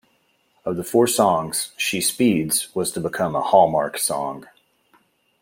Of the four songs, "She Speeds", was to become a hallmark song.